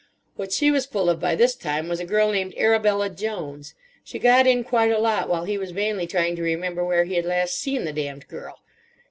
What she was full of by this time was a girl named Arabella Jones. She got in quite a lot while he was vainly trying to remember where he had last seen the damned girl.